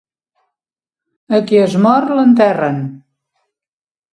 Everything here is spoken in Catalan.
A qui es mor, l'enterren.